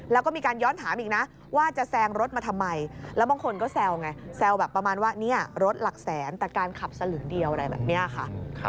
แล้วก็มีการย้อนถามอีกนะว่าจะแซงรถมาทำไมแล้วบางคนก็แซวไงแซวแบบประมาณว่าเนี่ยรถหลักแสนแต่การขับสลึงเดียวอะไรแบบนี้ค่ะ